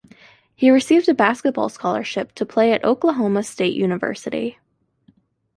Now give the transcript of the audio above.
He received a basketball scholarship to play at Oklahoma State University.